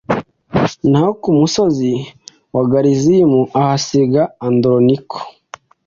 naho ku musozi wa garizimu ahasiga andoroniko